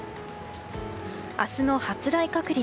明日の発雷確率。